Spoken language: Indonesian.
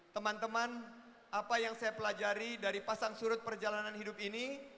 teman teman apa yang saya pelajari dari pasang surut perjalanan hidup ini